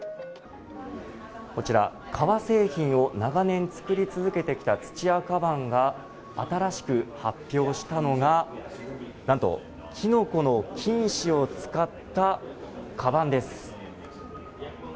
こちら、革製品を長年作り続けてきた土屋鞄が新しく発表したのがなんとキノコの菌糸を使ったかばんです。